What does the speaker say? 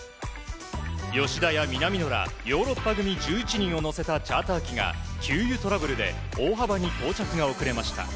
吉田や南野らヨーロッパ組１１人を乗せたチャーター機が給油トラブルで大幅に到着が遅れました。